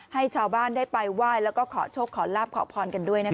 ให้ชาวบ้านได้ไปไหว้แล้วก็ขอโชคขอลาบขอพรกันด้วยนะคะ